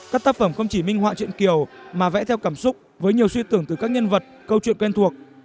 các tác phẩm không chỉ minh họa chuyện kiều mà vẽ theo cảm xúc với nhiều suy tưởng từ các nhân vật câu chuyện quen thuộc